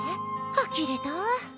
あきれた。